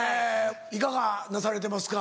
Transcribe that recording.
いかがなされてますか？